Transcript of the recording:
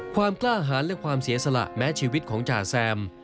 ความกล้าหารและความเสียสละแม้ชีวิตของจ่าแซม